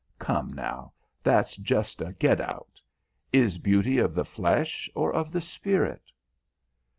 "Come, now, that's just a get out. Is beauty of the flesh or of the spirit?"